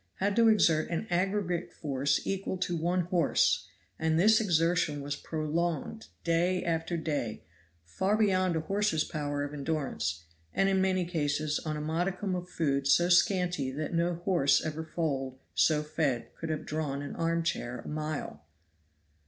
had to exert an aggregate of force equal to one horse; and this exertion was prolonged, day after day, far beyond a horse's power of endurance, and in many cases on a modicum of food so scanty that no horse ever foaled, so fed, could have drawn an armchair a mile.